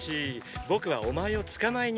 僕はお前を捕まえに来た！